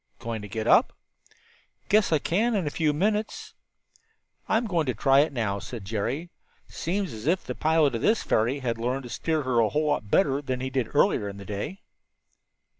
"Going to get up?" "Guess I can in a few minutes." "I'm going to try it now," said Jerry. "Seems as if the pilot of this ferry had learned to steer her a whole lot better than he did earlier in the day."